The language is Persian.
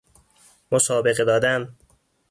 مسابقه دادن